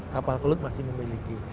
kapal klut masih memiliki